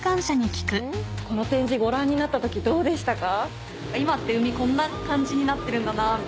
この展示ご覧になったときどうでしたか？